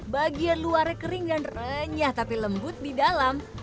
bagian luarnya kering dan renyah tapi lembut di dalam